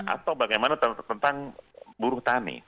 atau bagaimana tentang buruh tani